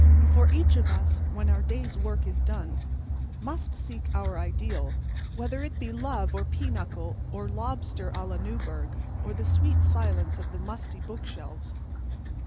For each of us, when our day's work is done, must seek our ideal, whether it be love or pinochle or lobster à la Newburg, or the sweet silence of the musty bookshelves.